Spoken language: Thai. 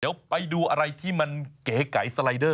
เดี๋ยวไปดูอะไรที่มันเก๋ไก่สไลเดอร์